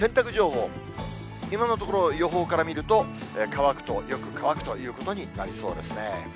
今のところ、予報から見ると、乾くとよく乾くということになりそうですね。